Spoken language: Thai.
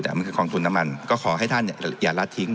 แต่มันคือกองทุนน้ำมันก็ขอให้ท่านเนี่ยอย่ารัดทิ้ง